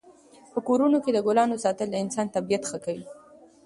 په کورونو کې د ګلانو ساتل د انسان طبعیت ښه کوي.